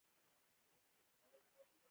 خپلواکي د خپلواک فکر کولو فرصت ورکوي.